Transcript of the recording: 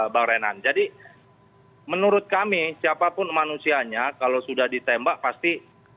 bang renan jadi menurut kami siapapun manusianya kalau sudah ditembak pasti